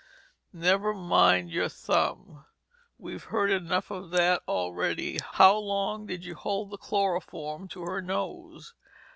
"Never mind your thumb. We've heard enough of that already. How long did you hold the chloroform to her nose?"